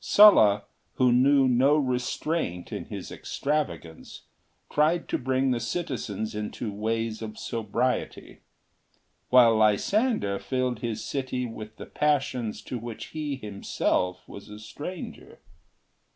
Sulla, who knew no restraint in his extravagance, tried to bring the citizens into ways of sobriety; while Lysander filled his city with the passions to which he himself was a stranger.